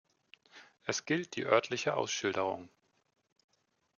Es gilt die örtliche Ausschilderung.